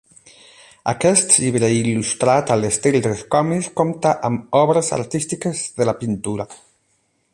Aquest llibre il·lustrat a l'estil dels còmics compta amb obres artístiques de la pintura.